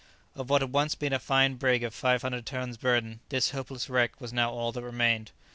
Of what had once been a fine brig of 500 tons burden this hopeless wreck was now all that remained.